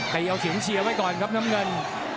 ตีเอาเสียงเชียร์ไว้ก่อนครับน้ำเงิน